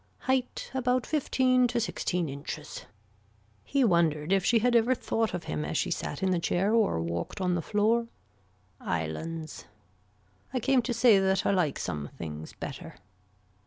Height about fifteen to sixteen inches. He wondered if she had ever thought of him as she sat in the chair or walked on the floor. Islands. I came to say that I like some things better.